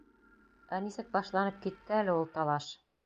Ә нисек башланып китте әле ул талаш?